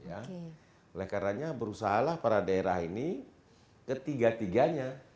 oleh karena ini berusahalah para daerah ini ketiga tiganya